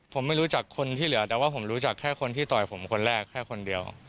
ผมไม่รู้จักคนที่เหลือแต่ว่าผมรู้จักแค่คนที่ต่อยผมคนแรกแค่คนเดียว